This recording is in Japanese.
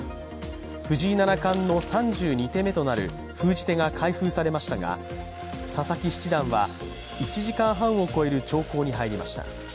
藤井七冠の３２手目となる封じ手が開封されましたが、佐々木七段は１時間半を超える長考に入りました。